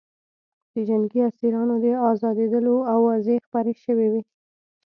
د جنګي اسیرانو د ازادېدلو اوازې خپرې شوې وې